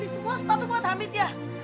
semua sepatu buat hamid ya